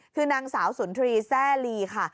คือนางสาวสุนทรีย์แซ่ลีค่ะ